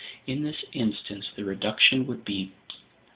In this instance the reduction would be